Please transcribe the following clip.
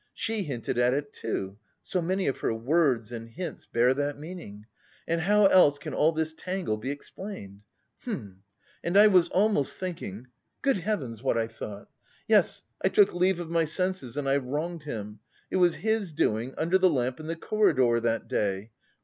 She hinted at it too... So many of her words.... and hints... bear that meaning! And how else can all this tangle be explained? Hm! And I was almost thinking... Good heavens, what I thought! Yes, I took leave of my senses and I wronged him! It was his doing, under the lamp in the corridor that day.